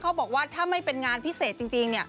บอกว่าถ้าไม่เป็นงานพิเศษจริง